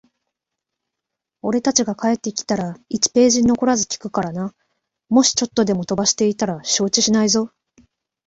俺たちが帰ってきたら、一ページ残らず聞くからな。もしちょっとでも飛ばしていたら承知しないぞ。